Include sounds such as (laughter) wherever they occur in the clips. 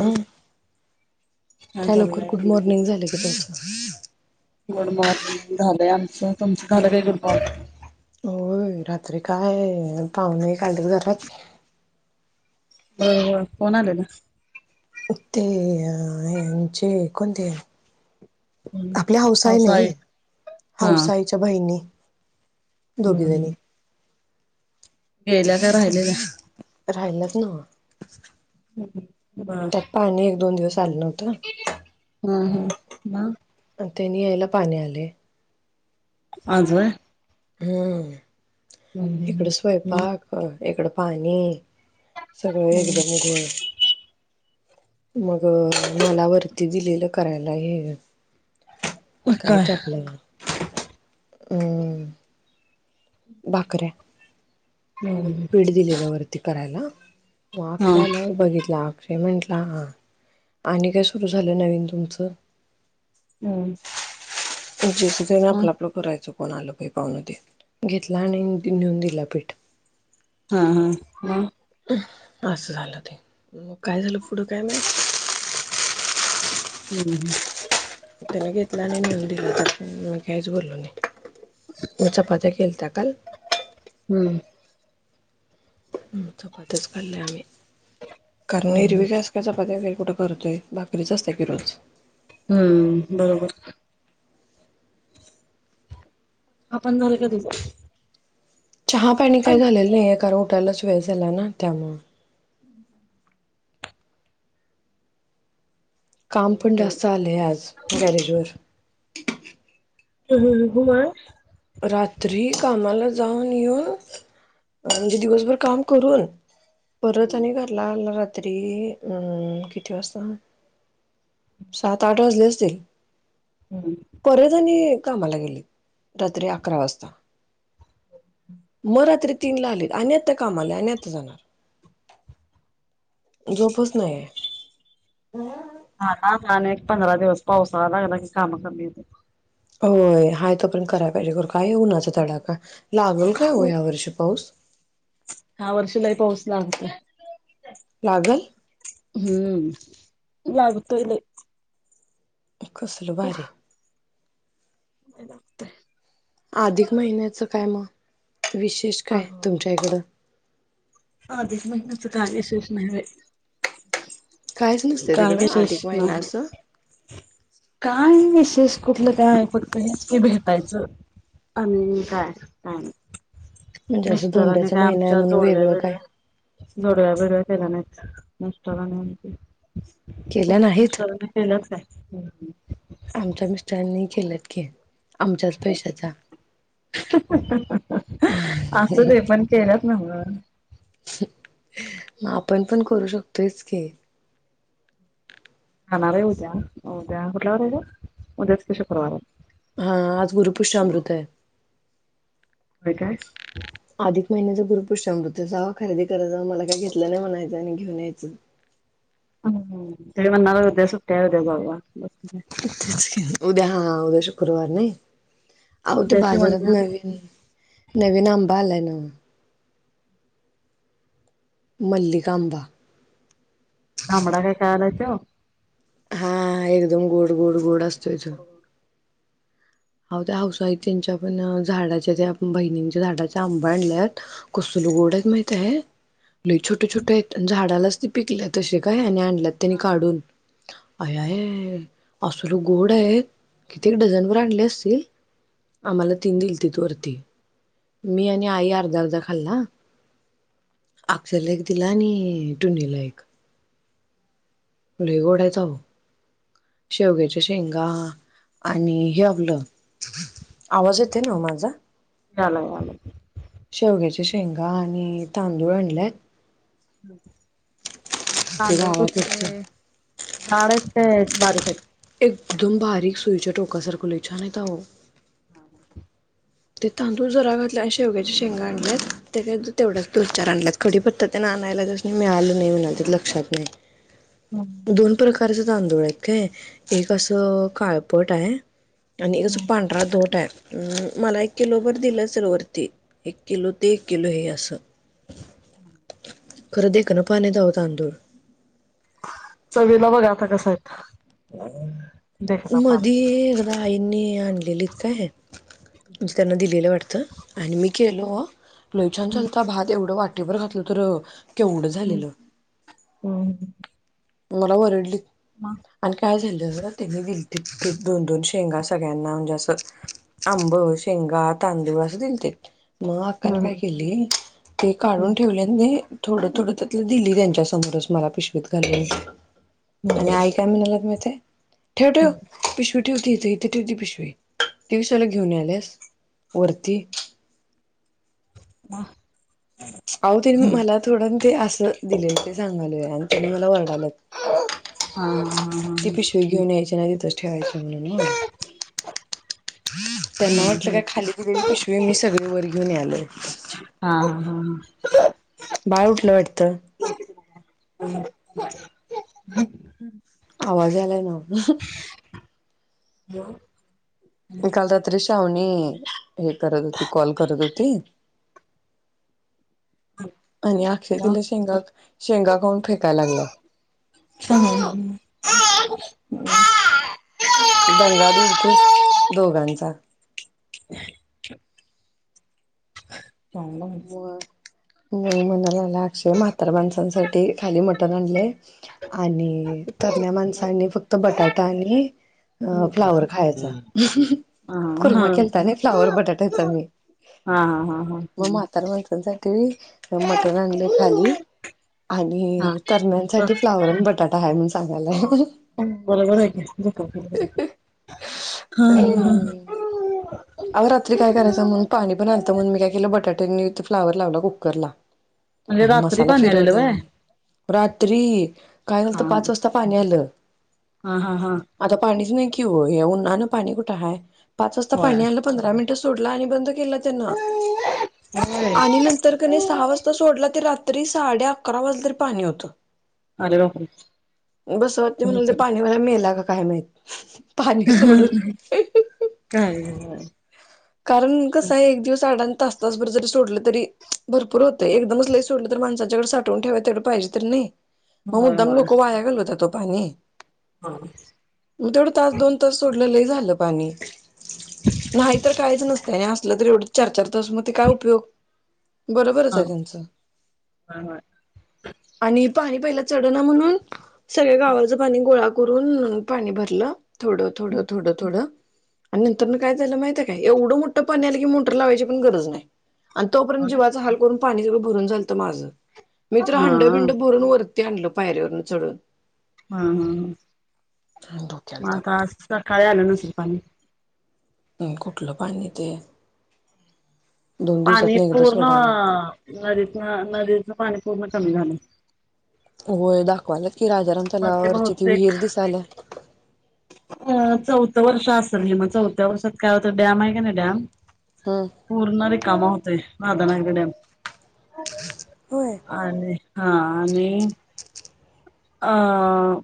हो काय हॅलो कर चाललंय गुड मॉर्निंग झाले की हां. गुड मॉर्निंग, झालंय आमचं तुमचं झालं काय गुड मॉर्निंग? हो रात्री काय पाहुणा एक आले घरात. बर कोणआलेल? ते अ यांचे कोण ते? आपल्या हाौसाई पावसा आहे नाही, हा हौसाईच्या बहिणी. दोघी जनी. गेल्या काय राहिलेल्या राहिल्यात न्हव. बर त्यात पाणी एक दोन दिवस आललं नव्हतं. हा हा मग आणि त्यांनी यायला, पाणी आले. अगं हम्. इकडे मग स्वयंपाक इकड पाणी सगळं मग एकदम घोळ. मग मला वरती दिलेलं करायला हे काय ते आपल्याला अन् भाकऱ्या. हा म पीट दिलेल वरती करायला मग हा आक्ष्या आल्यावर बघितला. अक्षय म्हंटला हा आणि काय सुरू झालं नवीन तुमचं? हम. जेच तेन आपलं आपलं करायचं. कोण आल पावन ते? घेतला आणि नेऊन दिला पीठ. हा हा. मग? असं झालं ते. मग काय झालं पुढं काय माहीत. हम् हम. त्याने घेतला आणि नेऊन दिला, तर मी काहीच बोललो नाही. चपात्या केलत्या काल हम्म हम् चपात्याच खाल्ल्या आम्ही. कारण एरवी जास्त काय चपात्या जाईत कुठं करतोय, भाकरीच असत्या की रोज. हम्म बरोबर. चहा पाणी झालं का तुझं? चहा पाणी काय झालेलं नाही कार उटायलाच वेळ झाला ना त्यामुळ. काम पण झाले जास्त आलेय आज गॅरेजवर. (unintelligible) रात्री कामाला जाऊन येऊन म्हणजे दिवसभर काम करून परत आणि घरला आला रा तरी अ किती वाजता? सात आठ वाजले असतील. हम्म परत आणि कामाला गेलीत रात्री अकरा वाजता. म रात्री तीन ला आलेत आणि आता काम आलय आणि आता जाणार. झोपच नाही आहे. वया हा ना आणि एक पंधरा दिवस पावसाळा लागला की काम कमी येतात. होय आहे तो पर्यंत कराय पाहिजे काय हे ऊनाचा तडाका, लागल काय हो या वर्षी पाऊस? ह्या वर्षी लय पाऊस लागतोय. लागल हम्म. लागतोय लय. कसलं भारी हाय. नाही लागतय आधिक महिन्याचं काय मग? विशेष काय तुमच्या इकडं? आधिक महिन्याच्या काय विशेष नाय व्हय. कायच नसते काल तिकडं विशेष अधिक नाय महिना असं हा का नाइ विशेष? तेच कुठलं काय आहे फक्त हे ते भेटायचं आणि काय काय नाही. म्हणजे असं मिस्टरांनी दोंड्याचा काय महिना आहे आमच्या म्हणून जोडव्या वेगळं काय? बिडव्या जोडव्या बिडव्या केल्या नाहीत मिस्टाराने म्हणते केल्या तुम्हाला नाहीत शरांने केलंच काय? हम्म हम्म. आमच्या मिस्टरांनी केल्यात की आमच्याच पैशाचा असू दे पण केल्यात ना हो. म आपण पण करू शकतोयच की. राणारय होत्या उद्या कुठला वारे ग उद्याच त शुक्रवारे. हा आज गुरुपुष्य अमृते. कायस. अधिक महिन्याचा गुरुपृष्ठामृत जावा खरेदी करायला जावा मला काही घेतलं नाही म्हणायचं आणि घेऊन यायचं. ह ह ते म्हणणारच होते उद्या सुट्टी उद्या जाऊ बा. (inaudible) उद्या हा उद्या शुक्रवार नाही. आहो ते उद्याशी बाजारात म्हणणार नवीन नवीन आंबा आलाय ना. मल्लिकांबा. आमडा काय खायलायचो. हा एकदम गोड गोड गोड अस यच (unintelligible) आहो त्या हासाआई त्यांच्या पण झाडाच्या त्या बहिणींच्या झाडाच्या आंबा आणल्यात कसल गोडेत माहिते. लई छोटे छोटे झाडालाच पिकले तसे काय आणि आन ला त्यांनी काढून. आयेआये असल गोडे कितीेग डझन वर आणलेस. आम्हाला तीन दिल तेथ वरती मी आणि आई अर्धा अर्धा खाल्ला अक्षरला एक दिला आणि टुनीला एक. लय गोडेत आओ. शेवग्याच्या शेंगा. आणि हे आपलं. आवाज येते नवं माझा. आलाय -आलाय. शेवग्याच्या शेंगा आणि तांदूळ आणलाय. तांदूळ कुठलं गावाकडचं ते जाडेत काय. बारीकेत. एकदम बारीक सुईच्या टोका सारख लई छानेत अहो. हां -हां. (inaudible) ते तांदूळ जरा घातले, आणि शेवग्याच्या शेंगा आणल्यात ते तेवढ्याच दोनचार आणल्यात. कडीपत्ता त्याने आणयला वेळच नाही मिळालं नाही. म्हण ते लक्षात नाही. हम्म. नाही. दोन प्रकारच तांदूळेत काय एक असं काळपट आहे. आणि एक अस पांढरा धोटे. हम्म मला एक किलो भर दिलंच असल वरती एक किलो ते एक किलो हे असं. हम्म (inaudible) खर देखण पाण आहेत अहो तांदूळ चवीला बघा आता कसयेत. मधी एकदा आईनी आणलेलीत काय - म्हणजे त्यांना दिलेलं वाटतं आणि मी केलो आ. लई छान हम्म. झालता भात एवढ वाट ते बर घातलं तर - हम्म हम्म हम्म मला वरडलीत. मग? आणि काय झालं जरा त्यांने दिलतीत दोन -दोन शेंगा सगळ्यांना म्हणजे असं आंब शेंगा तांदूळ असं दिलतीत. मग अक्काने काय हम्म. केली ते हम्म. काढून ठेवले नी थोडं थोडं त्यातलं दिली त्यांच्या समोरच मला पिशवीत घालून. आणि हम्म. आई काय म्हणल्यात माहित ते ठेव ठेव हम्म. पिशवीत ठेव की इथ ठेव ती पिशवी तेच त्याला घेऊन यायलायस वरती (inaudible) आणि तीन हम्म. मला थोडं ते असं दिलेलं ते सांगालोय आणि - तेन मला वरडल्यात हा हा हा ती हा. पिशवी घेऊन यायची नाही तिथच ठेवायची म्हणून ह हा. त्यांना हम्म. वाटलं हम्म. काय खाली दिलेली पिशवी मी सगळी वरी हा हा हा हा (unintelligible) बाळ उठलं वाटतं? (inaudible) आवाज आलाय नाओ हॅलो मी काल रात्री अवनी हे करत होती कॉल करत होती. आणि अक्षय मग? तिला शेंगा शेंगा खाऊन फेकाय लागलाय. (unintelligible) दंगा धूडकूस दोघांचा (unintelligible) म म्हणाला लागला आता अक्षय म्हातारं माणसांसाठी खाली मटण आणलेय. आणि तरण्या माणसांनी फक्त बटाटा आणि अ फ्लावर खायचा. हा कुरमा केलता नी फ्लावर बटाट्याच्या मी हा हा हा हा मग म्हातार माणसांसाठी मटण, आणलंय खाली हा आणि तरण्यांसाठी फ्लावर आणि बटाटा हाय मम्हणून सांगाय लागलाय. (unintelligible) हां-हां-हां-हां आव रात्री काय करायचं म्हणून, पाणी पण आलतं म्हणून, मी काय केलं बट (unintelligible) फ्लावर लावला कुकरला. म्हणजे आणि रात्री मसाला पाणी आलेलं फिरवला. व्हय रात्री काय हा झालंत पाच वाजता पाणी आलं, हा हा हा आता पाणीच नाही. की ओ, हे उन्हानं पाणी कुठं हाय? पाच वाजता होय पाणी आलं, पंधरा मिन ते सोडला आणि बंद केला त्यानं. होय आणि नंतर कनाई सहा वाजता सोडला ते रात तरी साडे अकरा वाज्ल तरी पाणी होतं. अरे बापरे बसवते म्हणल् त, भरपूर पाणीवाला मेला का काय माहित? (inaudible) सोडून (unintelligible) काय ये (inaudible) कारण कसं आय एक दिवस आडाण् तास तासभर जरी सोडलं तरी भरपूर हो त एकदमच लई सोडलं तर माणसान जेवढं साठवून ठेवाय तेवढं पाहिजे तर नई. म होय मुद्दाम होय लोकं वाया घालवतात ओ. पाणी हा होय उतवड तास दोन तास सोड लं लय झालं पाणी. नाही नस्त, आसलं तरी एवढं चार चार तास म ते काय उपयोग. बरोबरच आय होय त्यांच. हा आणि पाणी पहिल्या चढना म्हणून सगळे गावाजं पाणी गोळा करून पाणी भरलं. थोडं थोडं थोडं थोडं. आण् नंतरनं काय झालं माहिते एवढं मोठं पाणी आलं की मोटर लावायची पण गरज नाही. आण् तोपर्यंत जवाचा हाल करून पाणी सगळं भरून झालतं माझं. मी तर हा हा हांडबिंड भरून वर ते आणलं पायरीवरनं चढून. हा हम ह डोक्याला मग आता ताप आज सकाळी आलो नस पाणी कुठलं पाणी ते दोन दिवसात पाणी नाही एकदा पूर्ण सोडालाय नदीत नदीच पाणी पूर्ण सम झाालं होय दाखवाला कि राजाराम ते तलावावरची ती बहुतेक विहीर दिसाला अ चौथं वर्ष असल नाही मग चौथ्या वर्षात काय होत डॅम आहे का नाही डॅम हम्म पूर्ण र कामा होते मदनगड अ होय हा आणि ह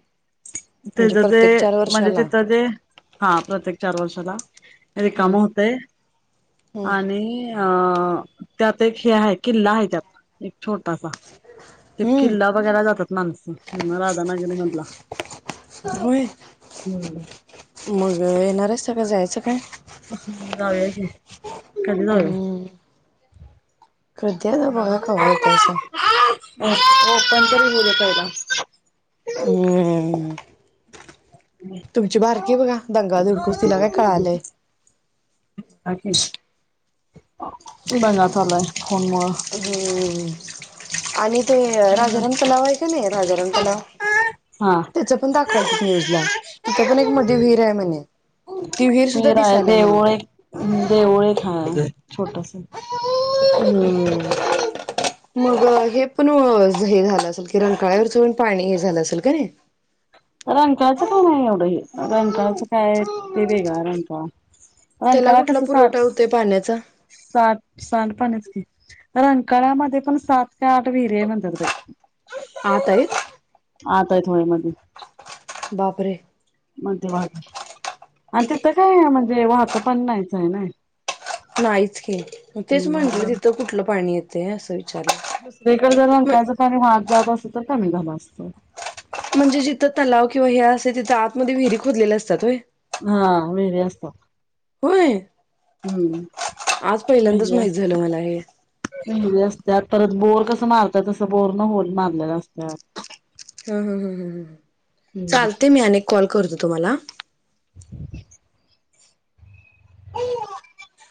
म्हणजे त ते प्रत्येक चार म्हणजे वर्षाला तिथं जे हा प्रत्येक चार वर्ष हला हम्म काम होतय हम्म आणि अ त्यात एक हे आहे किल्ला आहे त्यात एक छोटासा ते किल्ला हम्म वगैर जातात माणसं राधा नागरी मधला होय मग ना बर सगं जायच काय हम् क नले (inaudible) हम्म कधी आता बघा बरोबर कवा येतायसा. (inaudible) ओपण तरी हो कायदा (inaudible) ह हम्म तुमची बारकी बघा दंगा दुडकूस तिला काय कळालंय कितवा महिना चाललाय हम्म आणि ते राजाराम तलाव आहे का नाही राजाराम तलाव हा त्याच पण दाखवाल ते न्यूजला तिथ पण एक मध विहीर आहे म्हणे ती विहीर सुद्धा मीरा आहे दिसायलीया म्हणे देऊळ छोटंस हम्म मग हे पण हे झालं असेल रंकाळ्यावरच पण पाणी झालं असेल का? रंकाळ्याच काय नाही एवढंही रंकाळचं काय ते वेगळा रंकाळा त्याला रंकाळा कुठला कस साठ पुरवठा होतोय पाण्याचा साठ सांड पाण्याच रंकाळ्यामध्ये पण सात काय आठ वीर्यानंतर ताई आत आहेत (inaudible) आत हायत होय मध्ये बापरे मध्यभागी आणि तिथं काय म्हणजे वाहत पण नाहीयचं आहे नाय. नाहीच की तेच मग म्हंटलं तिथं कुठलं पाणी येत ते अस दुसरीकडे जर रंकाळ्याच पाणी वाहत जात अस तर कमी झाल असतं. म्हणजे जिथं तलाव किंवा हे असतंय तिथं आतमध्ये विहिरी खोदलेले असतात होय? हा विहिरी असतात. होय? हम्म आज पहिल्यांदाच विहिरी माहित झालं मला हे. त्यात परत बोर कसं मारत तसं बोर न होल मारलेला असत्यात. हम्म, हम्म चालतंय मी आणि कॉल करतो तुम्हाला हा. (inaudible) (unintelligible)